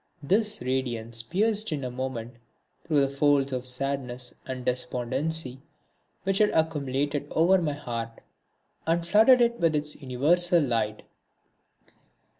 This radiance pierced in a moment through the folds of sadness and despondency which had accumulated over my heart, and flooded it with this universal light.